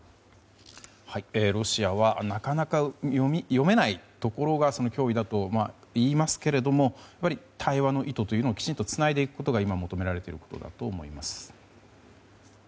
ロシアはなかなか読めないところが脅威だといいますが対話の糸というのをきちんとつないでいくことが今、求められていることだと思います。